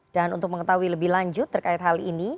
dan untuk mengetahui lebih lanjut terkait hal ini